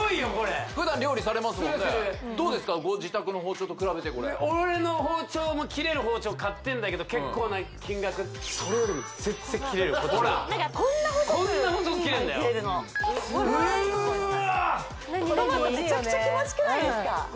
普段料理されますもんねどうですかご自宅の包丁と比べてこれ俺の包丁も切れる包丁買ってんだけど結構な金額ほらこんな細くこんな細く切れんだようっわトマトめちゃくちゃ気持ちくないですか？